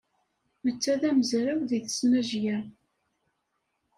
Netta d amezraw deg tesnajya.